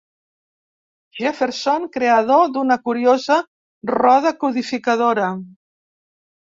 Jefferson —creador d'una curiosa roda codificadora.